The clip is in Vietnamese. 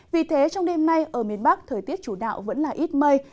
vì thế trong đêm nay ở miền bắc thời tiết chủ đạo vẫn là ít mây